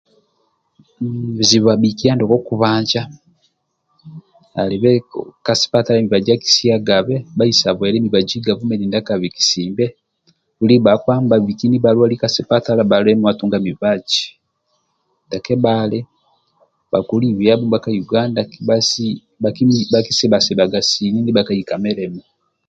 Bizibu abhikiya ndia kokubanja, alibe ko ka sipatala mibaji akisiagabe bhaisa bwile mibaji gavumenti ndiaka bikisimbe dumbi bhakpa ndibha biki ka sipatala bhalemwa tunga mibaji. Ndiakebhali bhakoli biyabho ndibhako Uganda bhakisi bhakisibhasibhaga sini ndibha kai ka milimo.